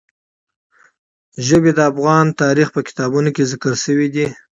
ژبې د افغان تاریخ په کتابونو کې ذکر شوی دي.